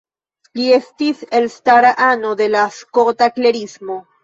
Li estis elstara ano de la Skota Klerismo.